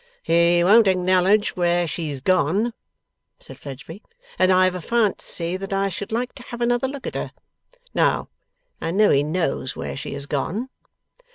'He won't acknowledge where she's gone,' said Fledgeby; 'and I have a fancy that I should like to have another look at her. Now I know he knows where she is gone.